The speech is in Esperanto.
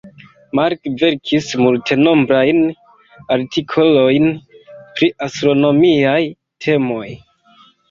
Mark verkis multenombrajn artikolojn pri astronomiaj temoj.